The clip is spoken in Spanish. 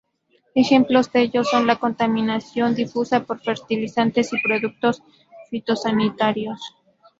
Ejemplos de ello son la contaminación difusa por fertilizantes y productos fitosanitarios.